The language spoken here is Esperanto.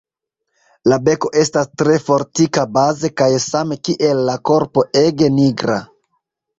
La beko estas tre fortika baze kaj same kiel la korpo ege nigra.